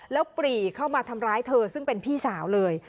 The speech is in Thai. แล้วปรีเข้ามาทำร้ายเธอซึ่งเป็นพี่สาวเลย